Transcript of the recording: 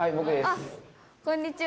あっこんにちは！